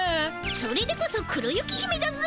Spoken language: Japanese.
それでこそ黒雪姫だぜ！